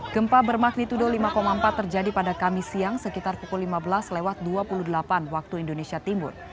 gempa bermagnitudo lima empat terjadi pada kamis siang sekitar pukul lima belas lewat dua puluh delapan waktu indonesia timur